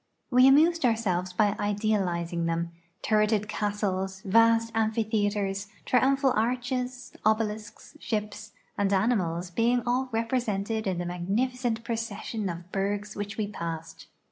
We amused ourselves b}^ idealizing them, turreted castles, vast amphitheaters, triumphal arches, obelisks, ships, and animals being all represented in the magnificent procession of bergs which we passed.